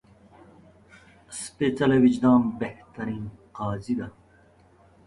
سپېڅلی وجدان بهترین قاضي ده